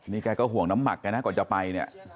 นี่แกก็ห่วงน้ำหมักแกนะก่อนจะไปเนี่ย